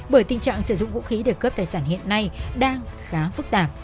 bởi tình trạng sử dụng vũ khí để cướp tài sản hiện nay đang khá phức tạp